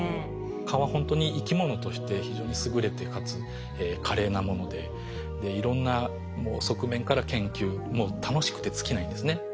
蚊はほんとに生き物として非常に優れてかつ華麗なものでいろんな側面から研究もう楽しくて尽きないんですね。